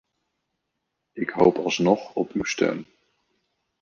Ik hoop alsnog op uw steun.